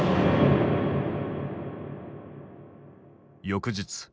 翌日。